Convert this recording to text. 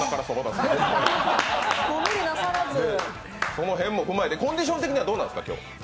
その辺も踏まえて、コンディション的にはどうですか。